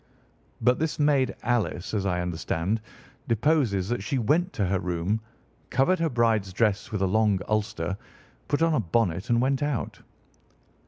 "But this maid, Alice, as I understand, deposes that she went to her room, covered her bride's dress with a long ulster, put on a bonnet, and went out."